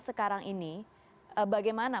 sekarang ini bagaimana